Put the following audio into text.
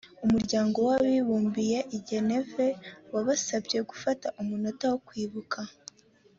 umuryango w ‘abibumbye i geneve wabasabye gufata umunota wo kwibuka.